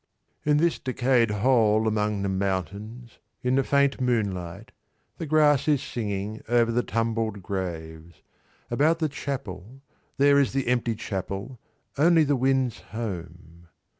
In this decayed hole among the mountains In the faint moonlight, the grass is singing Over the tumbled graves, about the chapel There is the empty chapel, only the wind's home.